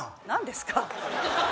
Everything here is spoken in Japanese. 何ですか？